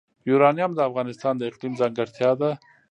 یورانیم د افغانستان د اقلیم ځانګړتیا ده.